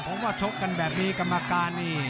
ผมว่าชกกันแบบนี้กรรมการนี่